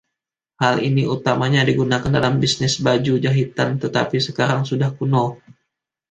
Hal ini utamanya digunakan dalam bisnis baju jahitan tetapi sekarang sudah kuno.